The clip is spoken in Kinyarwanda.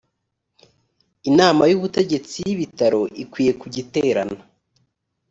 inama y’ubutegetsi y’ibitaro ikwiye kujya iterana